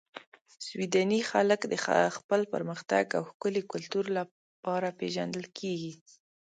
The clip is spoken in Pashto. سویدني خلک د خپل پرمختګ او ښکلي کلتور لپاره پېژندل کیږي.